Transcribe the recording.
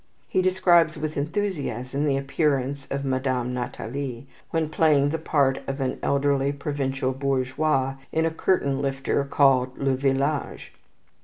He describes with enthusiasm the appearance of Madame Nathalie, when playing the part of an elderly provincial bourgeoise in a curtain lifter called "Le Village."